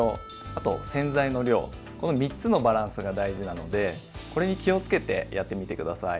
あと洗剤の量この３つのバランスが大事なのでこれに気をつけてやってみて下さい。